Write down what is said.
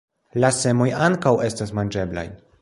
La semoj ankaŭ estas manĝeblaj.